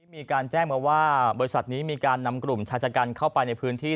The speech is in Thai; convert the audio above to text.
มีการแจ้งมาว่าบริษัทนี้มีการนำกลุ่มชายชะกันเข้าไปในพื้นที่